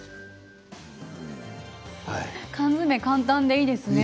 缶詰、簡単でいいですね。